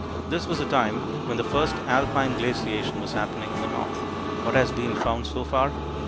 This was a time when the first alpine glaciation was happening in the north. What has been found so far?